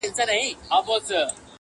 • نه له چا سره وي توان د فکر کړلو -